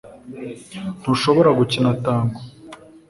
Ntushobora gukina tango